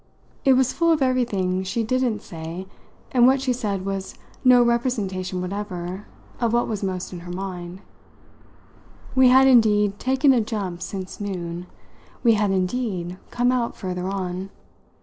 It was full of everything she didn't say, and what she said was no representation whatever of what was most in her mind. We had indeed taken a jump since noon we had indeed come out further on.